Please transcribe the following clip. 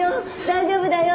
大丈夫だよ。